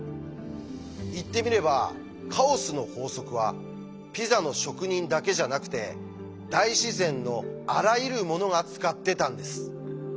言ってみればカオスの法則はピザの職人だけじゃなくて大自然のあらゆるものが使ってたんです。